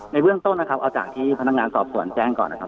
ในเบื้องต้นนะครับเอาจากที่พนักงานสอบสวนแจ้งก่อนนะครับ